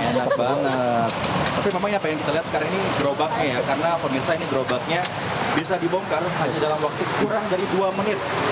enak banget tapi memang apa yang kita lihat sekarang ini gerobaknya ya karena pemirsa ini gerobaknya bisa dibongkar hanya dalam waktu kurang dari dua menit